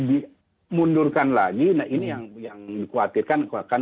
di antara kedua dan ketiga